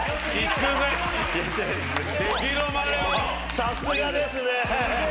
さすがですね。